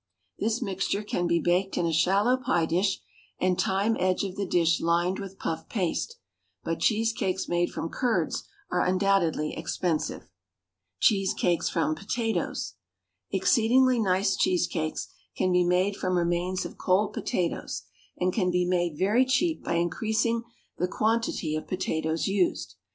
This mixture can be baked in a shallow pie dish and time edge of the dish lined with puff paste, but cheese cakes made from curds are undoubtedly expensive. CHEESE CAKES FROM POTATOES. Exceedingly nice cheese cakes can be made from remains of cold potatoes, and can be made very cheap by increasing the quantity of potatoes used.